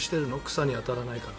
草に当たらないから。